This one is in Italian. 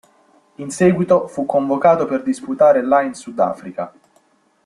In seguito fu convocato per disputare la in Sudafrica.